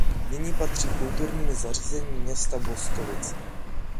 Nyní patří Kulturnímu zařízení města Boskovice.